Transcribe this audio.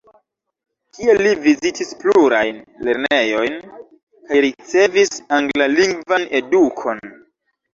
Tie li vizitis plurajn lernejojn kaj ricevis anglalingvan edukon.